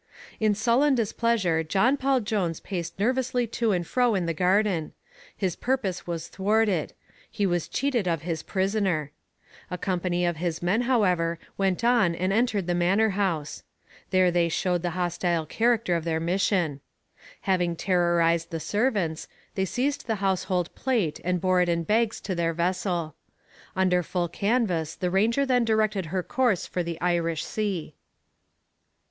In sullen displeasure John Paul Jones paced nervously to and fro in the garden. His purpose was thwarted; he was cheated of his prisoner. A company of his men, however, went on and entered the manor house. There they showed the hostile character of their mission. Having terrorized the servants, they seized the household plate and bore it in bags to their vessel. Under full canvas the Ranger then directed her course for the Irish Sea.